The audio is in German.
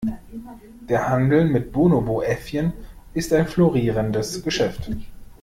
Der Handel mit Bonobo-Äffchen ist ein florierendes Geschäft.